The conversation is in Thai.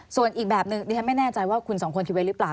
ส่วนอีกแบบนึงดิฉันไม่แน่ใจว่าคุณสองคนคิดไว้หรือเปล่า